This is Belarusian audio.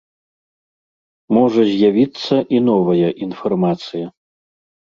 Можа з'явіцца і новая інфармацыя.